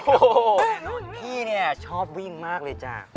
โอ้โหพี่เนี่ยชอบวิ่งมากเลยจ้ะ